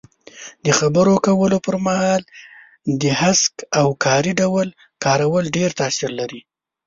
د خبرو کولو پر مهال د هسک او کاري ډول کارول ډېر تاثیر لري.